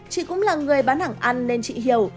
chị cũng là người bán hàng ăn nên chị hiểu